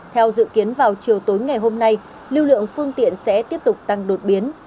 theo dự kiến vào chiều tối ngày hôm nay lưu lượng phương tiện sẽ tiếp tục tăng đột biến